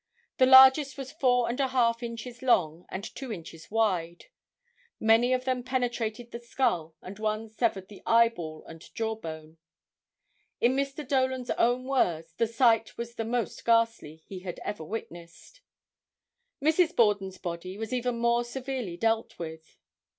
The largest was four and a half inches long and two inches wide. Many of them penetrated the skull and one severed the eye ball and jaw bone. In Dr. Dolan's own words the "sight was the most ghastly" he had ever witnessed. Mrs. Borden's body was even more severely dealt with.